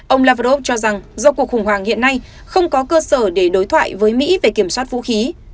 ông lavrov cho rằng do cuộc khủng hoảng hiện nay không có cơ sở để đối thoại với mỹ về kiểm soát vũ khí